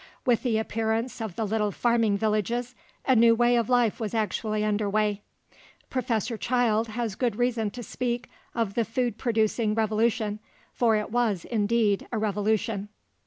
With the appearance of the little farming villages, a new way of life was actually under way. Professor Childe has good reason to speak of the "food producing revolution," for it was indeed a revolution.